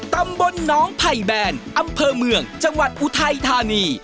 ตำบลน้องไผ่แบนอำเภอเมืองจังหวัดอุทัยธานี